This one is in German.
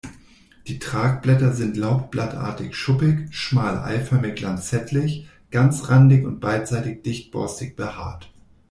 Die Tragblätter sind laubblattartig-schuppig, schmal eiförmig-lanzettlich, ganzrandig und beidseitig dicht borstig behaart.